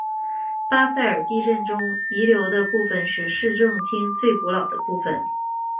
巴塞尔地震中遗留的部分是市政厅最古老的部分。